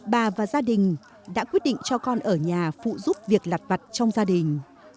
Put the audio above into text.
bà và gia đình đã quyết định cho con ở nhà phụ giúp việc lặt vặt trong gia đình